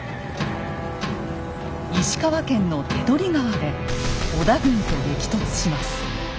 石川県の手取川で織田軍と激突します。